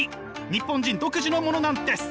日本人独自のものなんです！